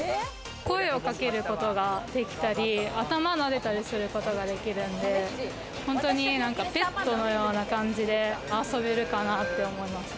声をかけることができたり、頭をなでたりすることができるんで本当にペットのような感じで遊べるかなって思います。